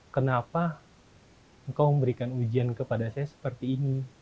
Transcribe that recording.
kenapa engkau memberikan ujian kepada saya seperti ini